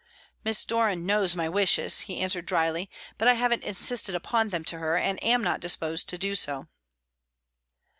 "Miss Doran knows my wishes," he answered drily, "but I haven't insisted upon them to her, and am not disposed to do so."